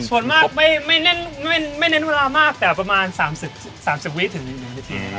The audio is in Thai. ส่วนมากไม่เน้นเวลามากแต่ประมาณ๓๐วิถึง๑วินาทีครับ